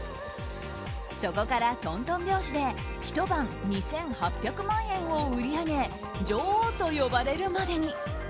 そこからトントン拍子でひと晩２８００万円を売り上げ嬢王とまで呼ばれるまでに。